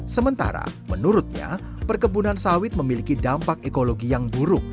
sementara menurutnya perkebunan sawit memiliki dampak ekologi yang buruk